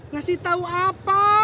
ngasih tahu apa